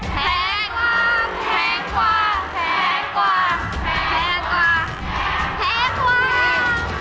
แพงกว่าแพงกว่าแพงกว่าแพงกว่าแพงกว่า